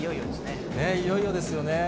いよいよですよね。